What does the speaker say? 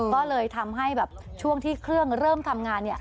ก็เลยทำให้แบบช่วงที่เครื่องเริ่มทำงาน